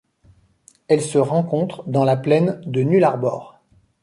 Elle se rencontre dans la plaine de Nullarbor.